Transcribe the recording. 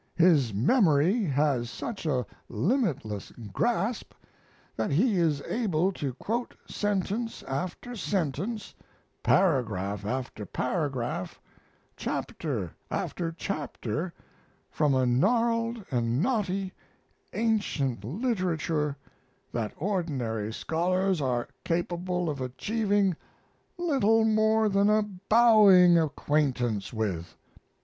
His memory has such a limitless grasp that he is able to quote sentence after sentence, paragraph after paragraph, chapter after chapter, from a gnarled and knotty ancient literature that ordinary scholars are capable of achieving little more than a bowing acquaintance with.